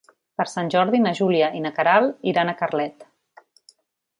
Per Sant Jordi na Júlia i na Queralt iran a Carlet.